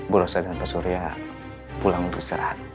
bu rosa dan pak surya pulang untuk istirahat